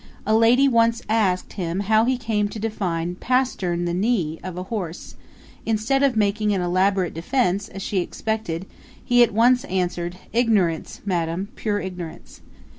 A lady once asked him how he came to define Pastern the knee of a horse: instead of making an elaborate defence, as she expected, he at once answered, 'Ignorance, Madam, pure ignorance.'